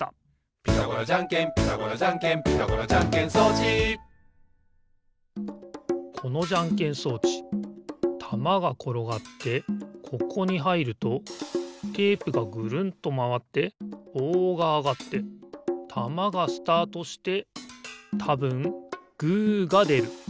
「ピタゴラじゃんけんピタゴラじゃんけん」「ピタゴラじゃんけん装置」このじゃんけん装置たまがころがってここにはいるとテープがぐるんとまわってぼうがあがってたまがスタートしてたぶんグーがでる。